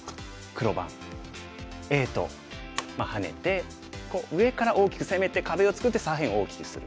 Ａとハネて上から大きく攻めて壁を作って左辺を大きくする。